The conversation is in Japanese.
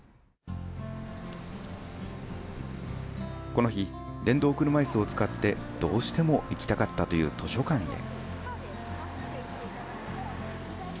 この日、電動車いすを使って、どうしても行きたかったという図書館へ。